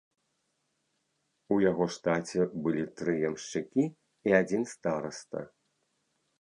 У яго штаце былі тры ямшчыкі і адзін стараста.